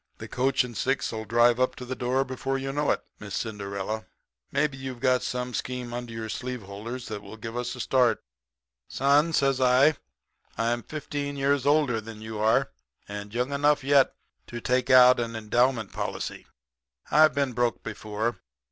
'The coach and six'll drive up to the door before you know it, Miss Cinderella. Maybe you've got some scheme under your sleeve holders that will give us a start.' "'Son,' says I, 'I'm fifteen years older than you are, and young enough yet to take out an endowment policy. I've been broke before.